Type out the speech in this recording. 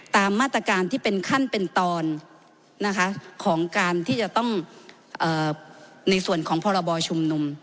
ตามมาตรการที่เป็นขั้นเป็นตอนนะคะของการที่จะต้องในส่วนของพรบชุมนุม